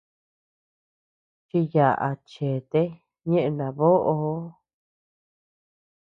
Chiyaʼa chete ñeʼë naboʼo.